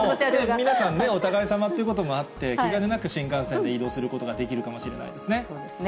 皆さんね、お互いさまということもあって、気兼ねなく新幹線で移動することができるかもしれないですね。